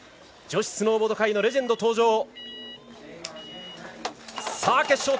女子スノーボード界のレジェンド登場。